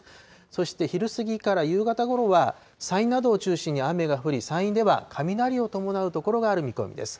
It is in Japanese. そして昼過ぎから夕方ごろは、山陰などを中心に雨が降り、山陰では雷を伴う所がある見込みです。